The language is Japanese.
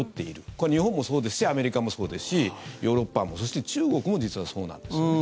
これは日本もそうですしアメリカもそうですしヨーロッパも、そして中国も実はそうなんですね。